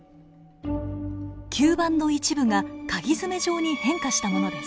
吸盤の一部がかぎ爪状に変化したものです。